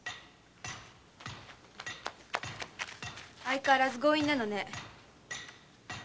相変わらず強引なのね。